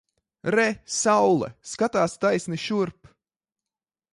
Re! Saule! Skatās taisni šurp!